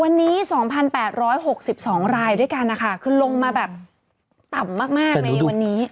วันนี้๒๘๖๒รายด้วยกันนะคะคือลงมาแบบต่ำมากในวันนี้